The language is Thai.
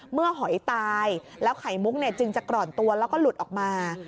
หอยตายแล้วไข่มุกจึงจะกร่อนตัวแล้วก็หลุดออกมา